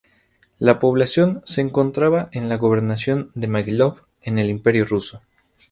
La población se encontraba en la Gobernación de Maguilov, en el Imperio ruso.